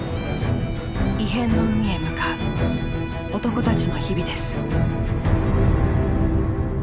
異変の海へ向かう男たちの日々です。